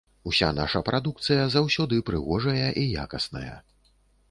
Уся наша прадукцыя заўсёды прыгожая і якасная.